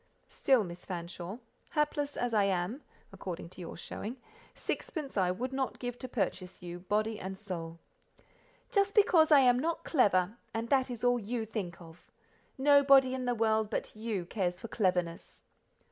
Still, Miss Fanshawe, hapless as I am, according to your showing, sixpence I would not give to purchase you, body and soul." "Just because I am not clever, and that is all you think of. Nobody in the world but you cares for cleverness."